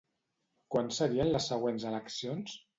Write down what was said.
Quan serien les següents eleccions?